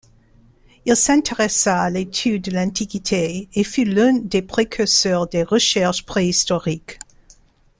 Il s'intéressa à l'étude de l'Antiquité et fut l'un des précurseurs des recherches préhistoriques.